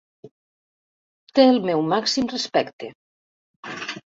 Té el meu màxim respecte.